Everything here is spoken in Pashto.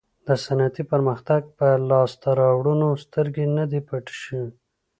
د صنعتي پرمختګ پر لاسته راوړنو سترګې نه دي پټې شوې.